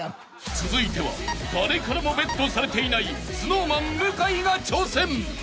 ［続いては誰からもベットされていないＳｎｏｗＭａｎ向井が挑戦］